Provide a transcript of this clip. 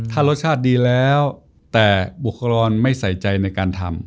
ถ้ารสชาติดีแล้วแต่บุคครอนไม่ใส่ใจในการทำ